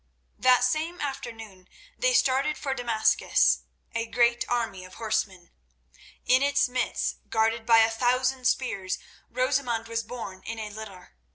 That same afternoon they started for Damascus, a great army of horsemen. In its midst, guarded by a thousand spears, Rosamund was borne in a litter.